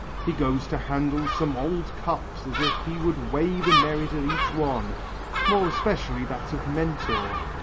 He goes to handle some old cups as if he would weigh the merit of each one, more especially that of Mentor.